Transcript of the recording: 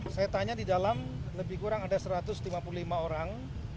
saya tanya di dalam lebih kurang ada satu ratus lima puluh lima orang